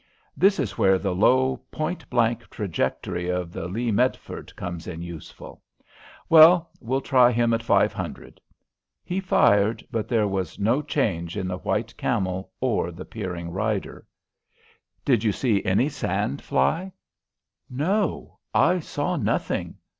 "This is where the low point blank trajectory of the Lee Metford comes in useful. Well, we'll try him at five hundred." He fired, but there was no change in the white camel or the peering rider. "Did you see any sand fly?" "No; I saw nothing."